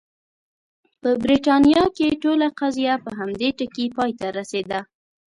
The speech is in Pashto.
په برېټانیا کې ټوله قضیه په همدې ټکي پای ته رسېده.